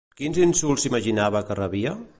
Quins insults s'imaginava que rebia?